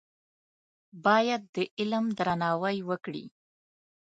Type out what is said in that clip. باید د علم درناوی وکړې.